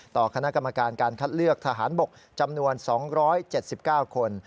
ต่อคณะกรรมการการคัดเลือกทหารบกจำนวน๒๗๙คน